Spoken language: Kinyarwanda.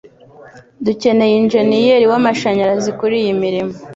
Dukeneye injeniyeri w'amashanyarazi kuriyi mirimo.